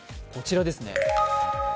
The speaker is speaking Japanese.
こちらですね。